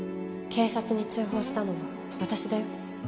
警察に通報したのは私だよ。